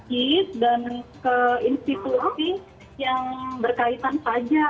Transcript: ke masjid dan ke institusi yang berkaitan saja